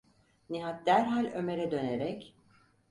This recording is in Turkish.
Nihat derhal Ömer’e dönerek: